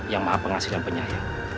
yang maha pengasih dan penyayang